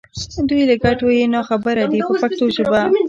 دوی له ګټو یې نا خبره دي په پښتو ژبه.